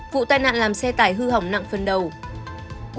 vụ tai nạn làm xe tải hư hỏng nặng phần đầu